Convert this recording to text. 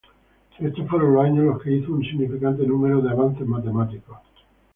Estos fueron los años en los que hizo un significante número de avances matemáticos.